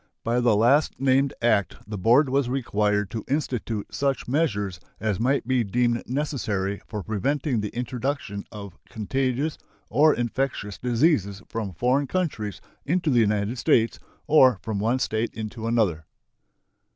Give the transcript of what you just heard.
By the last named act the board was required to institute such measures as might be deemed necessary for preventing the introduction of contagious or infectious diseases from foreign countries into the United States or from one State into another.